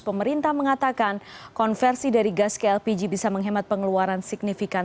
pemerintah mengatakan konversi dari gas ke lpg bisa menghemat pengeluaran signifikan